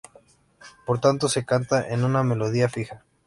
Por tanto, se canta en una melodía fija.